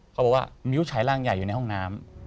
เขาบอกว่ามิ้วใช้ร่างใหญ่อยู่ในห้องน้ำ